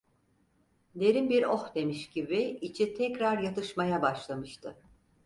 Derin bir oh demiş gibi içi tekrar yatışmaya başlamıştı.